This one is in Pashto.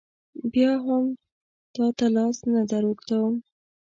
بیا هم تا ته لاس نه در اوږدوم.